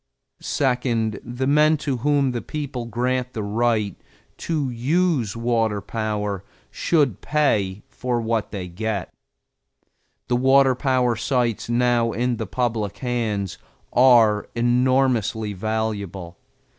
Second, the men to whom the people grant the right to use water power should pay for what they get. The water power sites now in the public hands are enormously valuable.